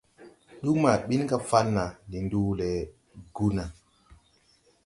Duu ma bin ga Falna, ndi nduu le Gurna.